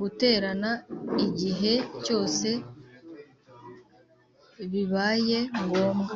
guterana igihe cyose bibaye ngombwa